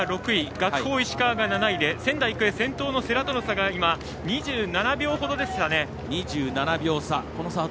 学法石川が７位で、仙台育英は先頭の世羅との差２７秒ほどです。